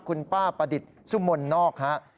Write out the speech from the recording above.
คุณป้าประดิษฐ์สุมนต์นอกครับ